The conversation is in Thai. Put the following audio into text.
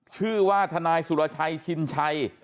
ชื่อว่าทนายสุรชัยชินชัย